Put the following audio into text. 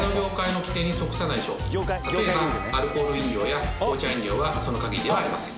例えばアルコール飲料や紅茶飲料はその限りではありません。